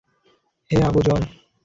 হে Abu যর!